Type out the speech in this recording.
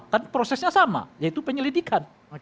kan prosesnya sama yaitu penyelidikan